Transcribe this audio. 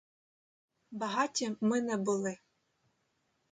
Багаті ми не були.